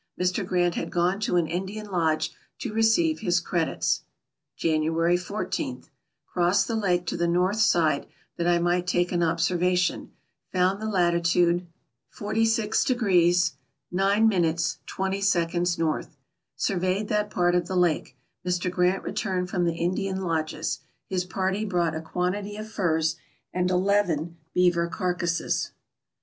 Mr. Grant had gone to an Indian lodge to receive his credits. January 14.. — Crossed the lake to the north side, that I might take an observation ; found the latitude 460 9/ 20" N. Surveyed that part of the lake. Mr. Grant returned from the Indian lodges. His party brought a quantity of furs and eleven beaver carcasses.